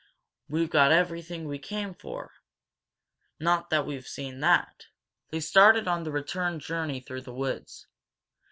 We've got everything we came for, not that we've seen that!" They started on the return journey through the woods.